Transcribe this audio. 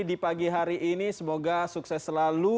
di pagi hari ini semoga sukses selalu